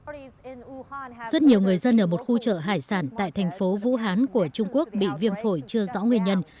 rất nhiều người dân ở một khu chợ hải sản tại thành phố vũ hán của trung quốc bị viêm phổi chưa rõ nguyên nhân